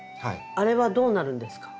あれはどうなるんですか？